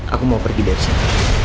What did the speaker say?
aku mau pergi dari sini